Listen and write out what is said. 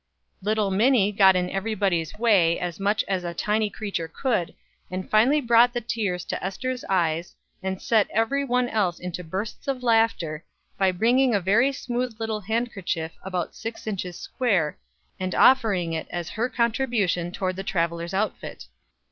Little Minie got in everybody's way as much as such a tiny creature could, and finally brought the tears to Ester's eyes, and set every one else into bursts of laughter, by bringing a very smooth little handkerchief about six inches square, and offering it as her contribution toward the traveler's outfit.